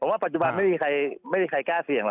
ว่าปัจจุบันไม่มีใครกล้าเสี่ยงห